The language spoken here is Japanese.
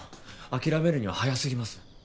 諦めるには早すぎます